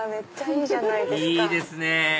いいですね